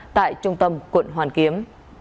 tại trung tâm quận hoàn kiếm